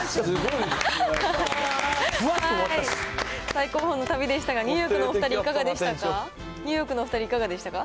最高峰の旅でしたが、ニューヨークのお２人、いかがでしたか？